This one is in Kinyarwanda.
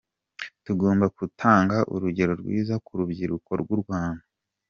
Tugomba kutanga urugero rwiza ku rubyiruko rw’u Rwanda.